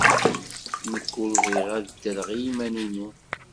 Nekk ur bɣiɣ ad ddreɣ i yiman-inu.